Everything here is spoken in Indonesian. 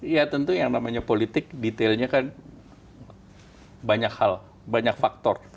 ya tentu yang namanya politik detailnya kan banyak hal banyak faktor